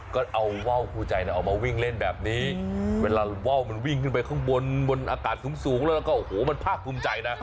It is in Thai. ก็เอาว่าวคู่ใจออกมาวิ่งเล่นแบบนี้เวลาว่าวมันวิ่งขึ้นไปข้างบนบนอากาศสูงแล้วก็โอ้โหมันภาคภูมิใจนะ